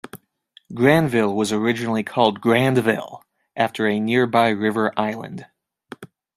Granville was originally called Grandville, after a nearby river island.